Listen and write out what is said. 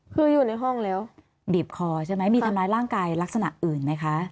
คืออยู่ในห้องแล้วบีบคอใช่ไหมมีทำร้ายร่างกายลักษณะอื่นไหมคะ